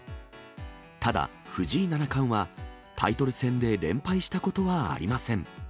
ただ、藤井七冠はタイトル戦で連敗したことはありません。